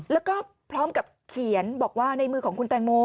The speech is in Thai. แล้วก็พร้อมกับเขียนบอกว่าในมือของคุณแตงโม